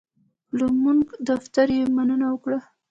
له زمونږ دفتر یې مننه وکړه.